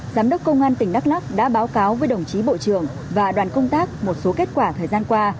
giám đốc công an tỉnh đắk lắc đã báo cáo với đồng chí bộ trưởng và đoàn công tác một số kết quả thời gian qua